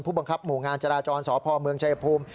บังคับหมู่งานจราจรสพเมืองชายภูมิ